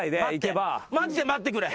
マジで待ってくれ。